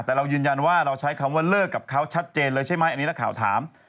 แต่เรายืนยันว่าเราใช้คำว่าเลิกกับเขาชัดเจนเลยใช่ไหมอันนี้นักข่าวถาม